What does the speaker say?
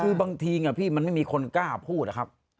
คือบางทีพี่มันไม่มีคนกล้าพูดอะครับ